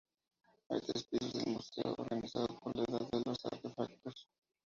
Hay tres pisos del museo, organizado por la edad de los artefactos.